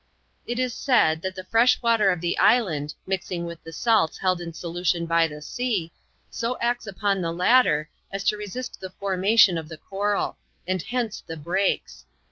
It is said, that the fresh water of the land, mixing with the salts held in solution by the sea, so acts upon the latter, as to resist the formation of the coral ; and hence the breaks.